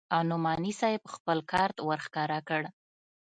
او نعماني صاحب خپل کارت ورښکاره کړ.